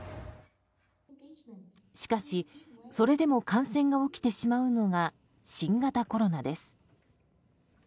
しかし、それでも感染が起きてしまうのが新型コロナです。